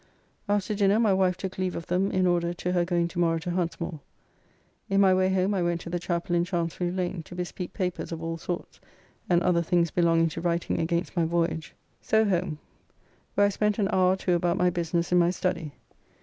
After dinner my wife took leave of them in order to her going to morrow to Huntsmore. In my way home I went to the Chapel in Chancery Lane to bespeak papers of all sorts and other things belonging to writing against my voyage. So home, where I spent an hour or two about my business in my study.